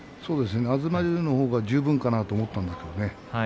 東龍のほうが十分かなと思ったんですけどね